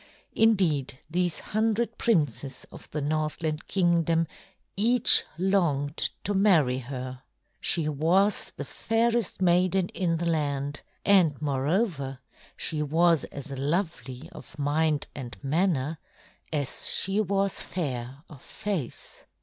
Indeed these hundred princes of the Northland Kingdom each longed to marry her. She was the fairest maiden in the land, and moreover, she was as lovely of mind and manner as she was fair of face.